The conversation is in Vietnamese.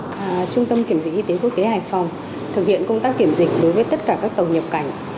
trung tâm kiểm dịch y tế quốc tế hải phòng thực hiện công tác kiểm dịch đối với tất cả các tàu nhập cảnh